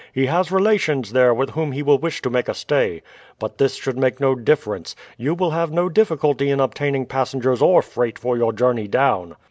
"He has relations there with whom he will wish to make a stay. But this should make no difference; you will have no difficulty in obtaining passengers or freight for your journey down."